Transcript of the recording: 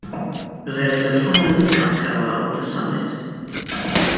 There is a fire lookout tower on the summit.